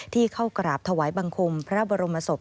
ที่เข้ากราบถวายบังคมพระบรมศพ